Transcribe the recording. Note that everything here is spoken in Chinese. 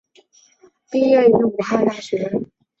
毕业于武汉大学。